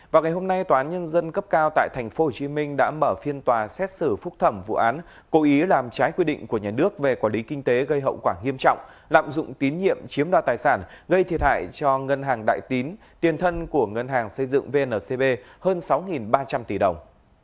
vào ngày hôm nay tòa án nhân dân cấp cao tại tp hcm đã mở phiên tòa xét xử phúc thẩm vụ án cố ý làm trái quy định của nhà nước về quản lý kinh tế gây hậu quả nghiêm trọng lạm dụng tín nhiệm chiếm đoạt tài sản gây thiệt hại cho ngân hàng đại tín tiền thân của ngân hàng xây dựng vncb hơn sáu ba trăm linh tỷ đồng